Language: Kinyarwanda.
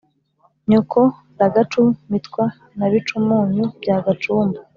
nyoko; ragacu mitwa na bicumunyu bya gacumba